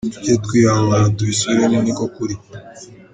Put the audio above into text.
Tujye twihangana tubisubiremo ni ko kuri.